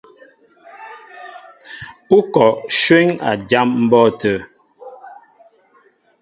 Ú kɔ shwéŋ a jám mbɔ́ɔ́tə̂.